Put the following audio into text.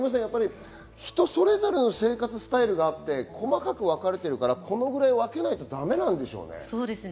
人それぞれの生活スタイルがあって細かくわかれてるから、このくらい分けないとだめでしょうね。